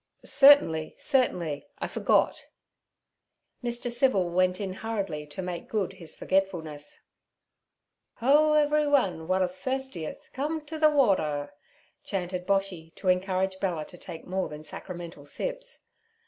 'Certainly, certainly; I forgot.' Mr. Civil went in hurriedly to make good his forgetfulness. '"Ho, everyone w'at thurstieth, come to ther water,"' chanted Boshy, to encourage Bella to take more than sacramental sips.